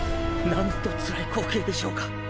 「なんとつらい光景でしょうか」。